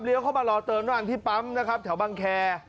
เหลี้ยวเค้ามารอเติมนั่งที่ปั๊มนะครับแถวบังแคร